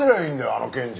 あの検事が。